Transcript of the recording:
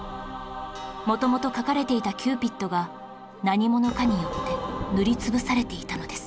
元々描かれていたキューピッドが何者かによって塗りつぶされていたのです